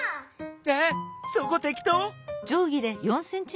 えっそこてきとう？